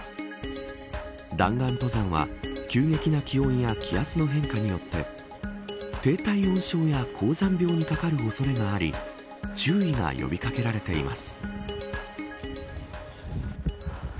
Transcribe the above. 弾丸登山は急激な気温や気圧の変化によって低体温症や高山病にかかる恐れがあり注意が呼び掛けられています。